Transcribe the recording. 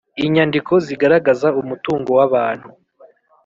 inyandiko zigaragaza umutungo w abantu